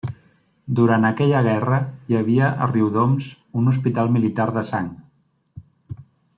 Durant aquella guerra hi havia a Riudoms un hospital militar de sang.